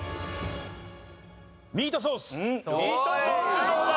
ミートソースどうだ？